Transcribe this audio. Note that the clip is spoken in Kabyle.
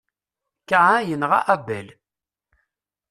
Kain yenɣa Abel.